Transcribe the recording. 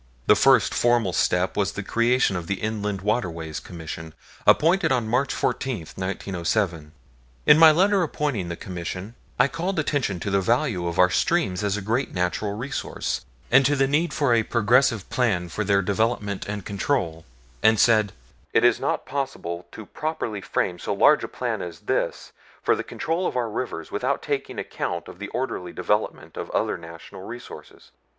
The first formal step was the creation of the Inland Waterways Commission, appointed on March 14, 1907. In my letter appointing the Commission, I called attention to the value of our streams as great natural resources, and to the need for a progressive plan for their development and control, and said: "It is not possible to properly frame so large a plan as this for the control of our rivers without taking account of the orderly development of other natural resources.